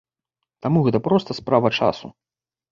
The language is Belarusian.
Таму гэта проста справа часу.